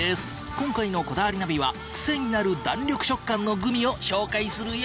今回の『こだわりナビ』はクセになる弾力食感のグミを紹介するよ！